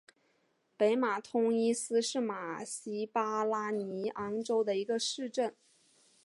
北马通伊斯是巴西马拉尼昂州的一个市镇。